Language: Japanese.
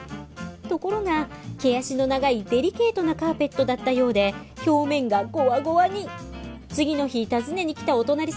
ところが毛足の長いデリケートなカーペットだったようで表面がゴワゴワに。